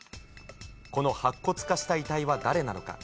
この白骨化した遺体は誰なのか。